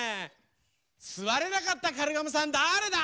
すわれなかったカルガモさんだれだ？